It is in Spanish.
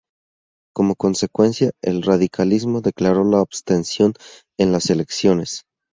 Como consecuencia, el radicalismo declaró la abstención en las elecciones.